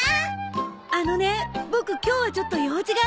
あのねボク今日はちょっと用事があるから。